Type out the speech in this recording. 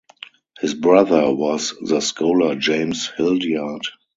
His brother was the scholar James Hildyard.